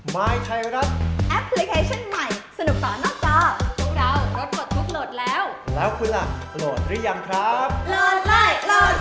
โปรดติดตามตอนต่อไป